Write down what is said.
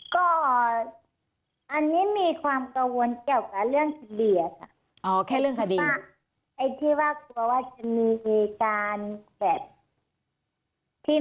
ก็อันนี้มีความกังวลเกี่ยวกับเรื่องคดี